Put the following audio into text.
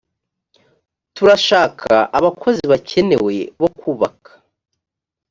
turashaka abakozi bakenewe bo kubaka